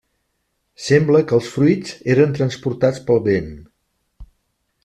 Sembla que els fruits eren transportats pel vent.